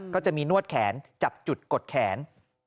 ก็จะมีนวดแขนจับจุดกดแขน